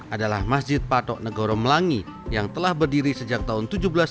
adalah masjid patok negoro melangi yang telah berdiri sejak tahun seribu tujuh ratus enam puluh